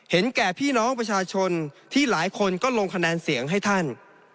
แก่พี่น้องประชาชนที่หลายคนก็ลงคะแนนเสียงให้ท่าน